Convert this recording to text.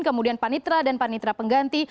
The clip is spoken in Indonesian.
kemudian panitra dan panitra pengganti